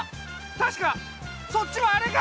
たしかそっちはあれが！